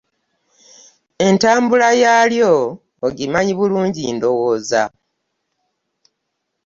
Entabula yaalyo ogimanyi bulungi ndowooza.